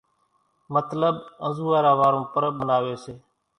مطلٻ انزوئارا وارون پرٻ مناوي سي۔